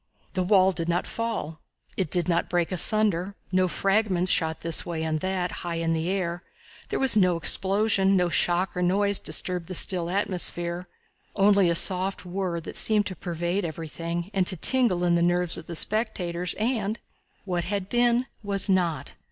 The wall did not fall; it did not break asunder; no fragments shot this way and that and high in the air; there was no explosion; no shock or noise disturbed the still atmosphere only a soft whirr, that seemed to pervade everything and to tingle in the nerves of the spectators; and what had been was not!